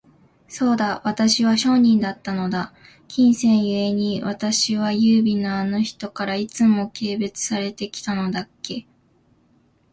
そうだ、私は商人だったのだ。金銭ゆえに、私は優美なあの人から、いつも軽蔑されて来たのだっけ。